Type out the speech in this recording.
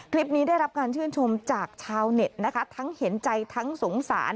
ได้รับการชื่นชมจากชาวเน็ตนะคะทั้งเห็นใจทั้งสงสาร